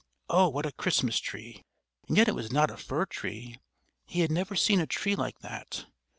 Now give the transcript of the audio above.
Oh, what a Christmas tree! And yet it was not a fir tree, he had never seen a tree like that!